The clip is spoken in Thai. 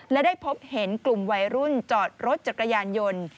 และได้พบเห็นกลุ่มวัยรุ่นจอดรถจักรยานยนต์